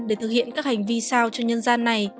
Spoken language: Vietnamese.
để thực hiện các hành vi sao cho nhân dân này